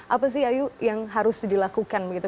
apa sih ayu yang harus dilakukan begitu